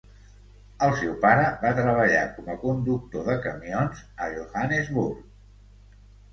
El seu pare va treballar com a conductor de camions a Johannesburg.